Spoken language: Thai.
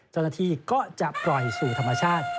เจ้าหน้าที่ก็จะปล่อยสู่ธรรมชาติ